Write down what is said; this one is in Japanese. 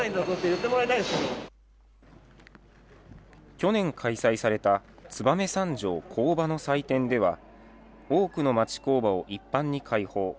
去年開催された燕三条工場の祭典では、多くの町工場を一般に開放。